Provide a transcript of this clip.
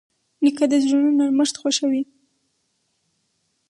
نیکه د زړونو نرمښت خوښوي.